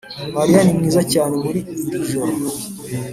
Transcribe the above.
mariya ni mwiza cyane muri iri joro.